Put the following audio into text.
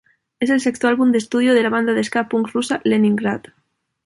Es el sexto álbum de estudio de la banda de ska punk rusa, Leningrad.